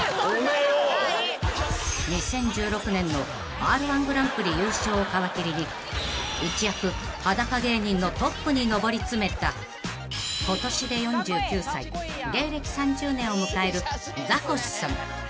［２０１６年のＲ−１グランプリ優勝を皮切りに一躍裸芸人のトップに上り詰めた今年で４９歳芸歴３０年を迎えるザコシさん］